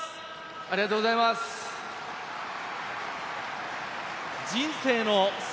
ありがとうございます。